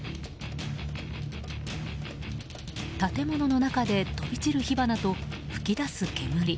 建物の中で飛び散る火花と噴き出す煙。